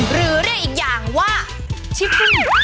หรือเรียกอีกอย่างว่าชิปุ้ง